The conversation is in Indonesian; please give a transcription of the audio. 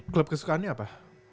klub kesukaannya apa